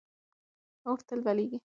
اور تل بلېږي.